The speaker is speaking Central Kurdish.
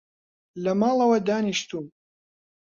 لە ماڵەوە دانیشتووم